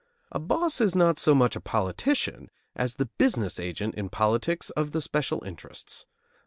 A boss is not so much a politician as the business agent in politics of the special interests.